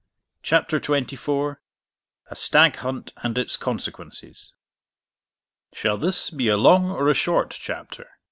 CHAPTER XXIV A STAG HUNT AND ITS CONSEQUENCES Shall this be a long or a short chapter?